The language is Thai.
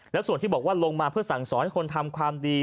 แล้วส่วนที่บอกว่าลงมาเพื่อสั่งสอนให้คนทำความดี